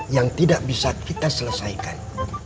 yang tidak bisa kita selesaikan